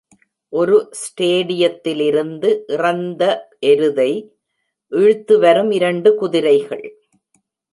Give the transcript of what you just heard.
ஒரு ஸ்டேடியத்திலிருந்து இறந்த எருதை இழுத்துவரும் இரண்டு குதிரைகள்.